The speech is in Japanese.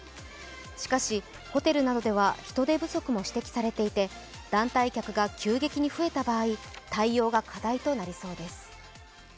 しかしホテルなどでは人手不足も指摘されていて団体客が急激に増えた場合対応が課題となりそうです。